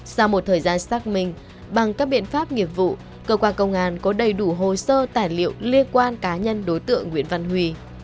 sau một thời gian xác minh bằng các biện pháp nghiệp vụ cơ quan công an có đầy đủ hồ sơ tài liệu liên quan cá nhân đối tượng nguyễn văn huy